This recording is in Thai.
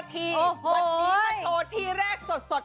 วันนี้มาโชว์ที่แรกสด